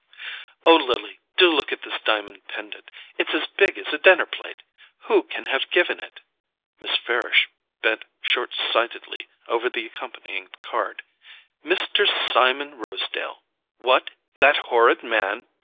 "Oh, Lily, do look at this diamond pendant—it's as big as a dinner plate! Who can have given it?" Miss Farish bent short sightedly over the accompanying card. "MR. SIMON ROSEDALE. What, that horrid man?